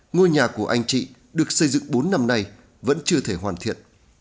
ngôi nhà của anh chị được xây dựng bốn năm nay vẫn chưa thể hoàn thiện